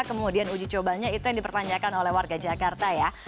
kemudian uji cobanya itu yang dipertanyakan oleh warga jakarta ya